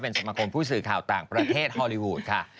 สมาคมผู้สื่อข่าวต่างประเทศฮอลลีวูดค่ะ